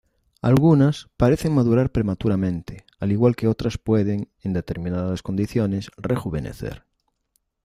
Algunas, parecen madurar prematuramente, al igual que otras pueden, en determinadas condiciones, rejuvenecer.